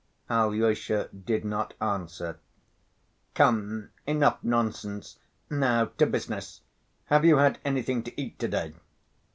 Alyosha did not answer. "Come, enough nonsense, now to business. Have you had anything to eat to‐ day?"